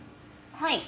はい。